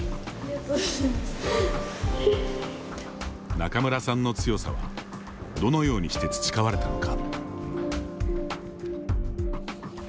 仲邑さんの強さはどのようにして培われたのか。